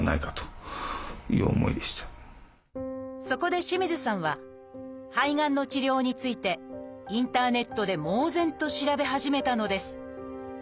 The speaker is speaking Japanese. そこで清水さんは肺がんの治療についてインターネットで猛然と調べ始めたのです。